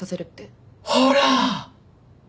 ほら！